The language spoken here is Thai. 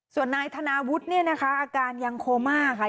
ส่วนนายธนาวุฒิเนี่ยนะคะอาการยังโคม่าค่ะ